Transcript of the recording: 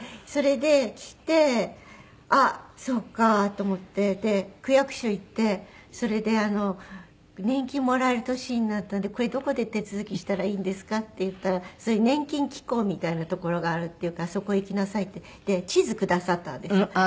それできてあっそうかと思って区役所行ってそれで「年金もらえる年になったんでこれどこで手続きしたらいいんですか？」って言ったら「年金機構みたいなところがある」って言うから「そこへ行きなさい」って地図くださったんですよ。